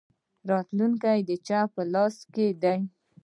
راتلونکی د چا په لاس کې دی؟